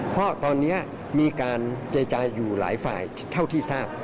เพราะตอนนี้มีการเจรจาอยู่หลายฝ่ายเท่าที่ทราบ